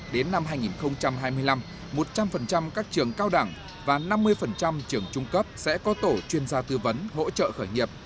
đến năm hai nghìn hai mươi năm một trăm linh các trường cao đẳng và năm mươi trường trung cấp sẽ có tổ chuyên gia tư vấn hỗ trợ khởi nghiệp